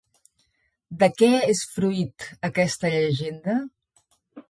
De què és fruit aquesta llegenda?